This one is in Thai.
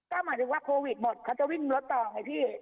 ก็หมายถึงว่าโควิดหมดเขาจะวิ่งรถต่อไงพี่